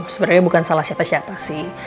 sebenarnya bukan salah siapa siapa sih